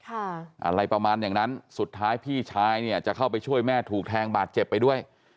อะไรประมาณอย่างนั้นสุดท้ายพี่ชายเนี่ยจะเข้าไปช่วยแม่ถูกแทงบาดเจ็บไปด้วย